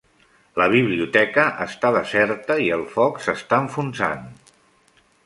La biblioteca està deserta i el foc s'està enfonsant.